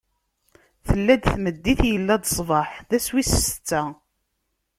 Tella-d tmeddit, illa-d ṣṣbeḥ: d ass wis setta.